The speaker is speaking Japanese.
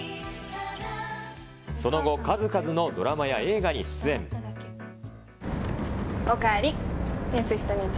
その後、数々のドラマや映画に出おかえり。